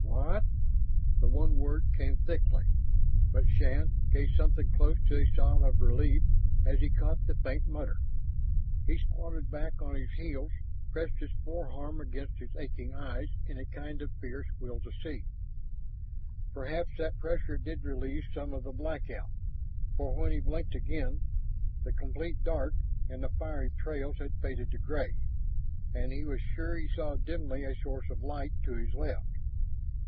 "What ?" The one word came thickly, but Shann gave something close to a sob of relief as he caught the faint mutter. He squatted back on his heels, pressed his forearm against his aching eyes in a kind of fierce will to see. Perhaps that pressure did relieve some of the blackout, for when he blinked again, the complete dark and the fiery trails had faded to gray, and he was sure he saw dimly a source of light to his left.